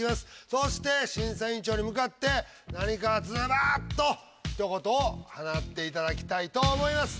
そして審査委員長に向かって何かズバッ！と一言を放っていただきたいと思います。